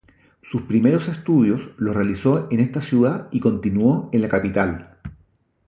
Sus primeros estudios los realizó en esta ciudad y continuó en la capital.